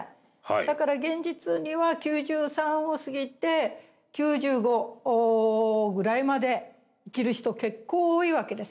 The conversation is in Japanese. だから現実には９３を過ぎて９５ぐらいまで生きる人結構多いわけです。